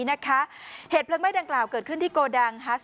นะคะเหตุในไม่ดังกล่าวเกิดขึ้นที่โกรดังฮาร์ช